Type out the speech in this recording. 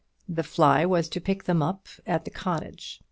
The fly was to pick them all up at the cottage.